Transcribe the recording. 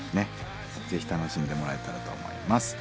ぜひ楽しんでもらえたらと思います。